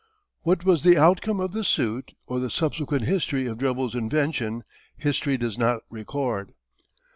What was the outcome of the suit or the subsequent history of Drebel's invention history does not record.